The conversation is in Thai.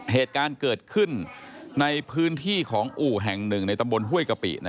เหตุการณ์เกิดขึ้นในพื้นที่ของอู่แห่งหนึ่งในตำบลห้วยกะปิ